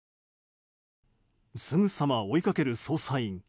すぐさま追いかける捜査員。